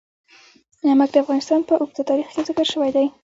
نمک د افغانستان په اوږده تاریخ کې ذکر شوی دی.